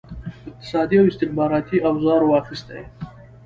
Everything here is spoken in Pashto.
په اقتصادي او استخباراتي اوزارو اخیستي.